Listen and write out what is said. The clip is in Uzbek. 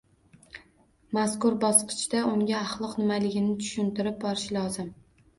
Mazkur bosqichda unga axloq nimaligini tushuntirib borish lozim